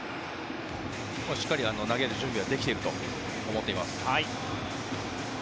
しっかり投げる準備はできていると思っています。